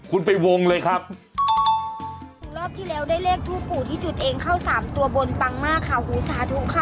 คุณไปวงเลยครับรอบที่แล้วได้เลขทูปู่ที่จุดเองเข้าสามตัวบนปังมากค่ะหูสาธุค่ะ